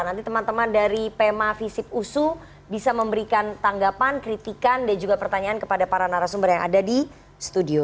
nanti teman teman dari pema visip usu bisa memberikan tanggapan kritikan dan juga pertanyaan kepada para narasumber yang ada di studio